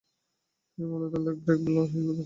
তিনি মূলতঃ leg break bowler হিসেবে খেলতেন।